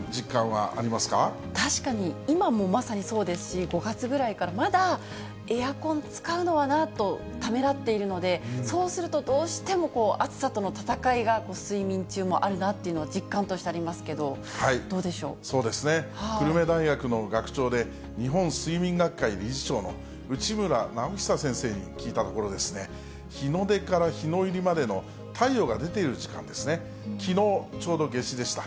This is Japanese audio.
確かに、今もまさにそうですし、５月ぐらいから、まだエアコン使うのはなとためらっているので、そうすると、どうしても暑さとの闘いが睡眠中もあるなというのは実感としてあそうですね、久留米大学の学長で、日本睡眠学会理事長の内村直尚先生に聞いたところですね、日の出から日の入りまでの太陽が出ている時間ですね、きのう、ちょうど夏至でした。